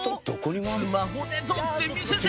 スマホで撮って見せて！